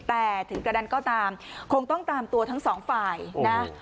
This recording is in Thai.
แต่ถึงกระดันก็ตามคงต้องตามตัวทั้งสองฝ่ายนะ